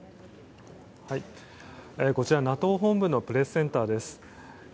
こちら、ＮＡＴＯ本部のプレスセンターです。